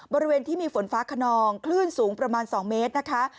บริเวณที่มีฝนฟ้าขนองคลื่นสูงประมาณ๒เมตรนะคะ